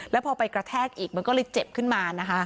แล้วพอไปกระแทกอีกมันก็เลยเจ็บขึ้นมานะคะ